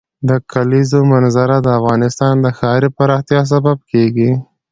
د کلیزو منظره د افغانستان د ښاري پراختیا سبب کېږي.